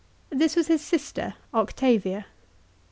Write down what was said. This was his sister Octavia.